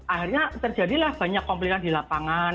akhirnya terjadilah banyak komplika di lapangan